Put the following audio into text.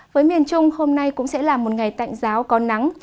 với miền trung hôm nay cũng sẽ là một ngày tạnh giáo có nắng